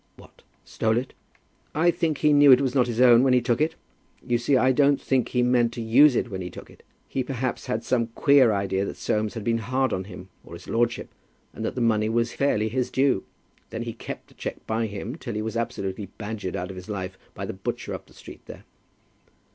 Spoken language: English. "What! stole it?" "I think he knew it was not his own when he took it. You see I don't think he meant to use it when he took it. He perhaps had some queer idea that Soames had been hard on him, or his lordship, and that the money was fairly his due. Then he kept the cheque by him till he was absolutely badgered out of his life by the butcher up the street there.